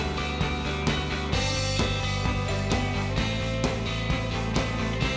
คุณบอกว่าผมไม่มีทางเลือก